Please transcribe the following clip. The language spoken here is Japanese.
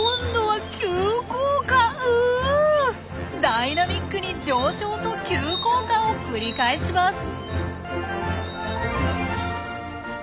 ダイナミックに上昇と急降下を繰り返します。